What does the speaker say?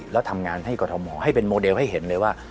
แล้วทำงานให้กรทมให้เป็นโมเดลให้เห็นเลยว่า